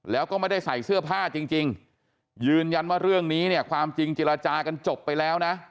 แล้วก็ไม่ได้ใส่เสื้อผ้าจริงยืนยันว่าเรื่องนี้เนี่ยความจริงเจรจากันจบไปแล้วนะ